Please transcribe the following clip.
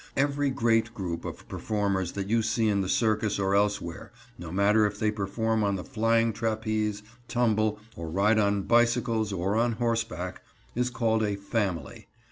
Every great group of performers that you see in the circus or elsewhere, no matter if they perform on the flying trapeze, tumble, or ride on bicycles or on horseback, is called a "family."